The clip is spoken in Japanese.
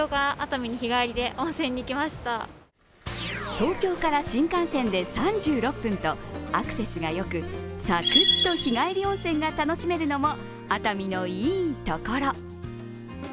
東京から新幹線で３６分とアクセスがよく、サクッと日帰り温泉が楽しめるのも熱海のいいところ。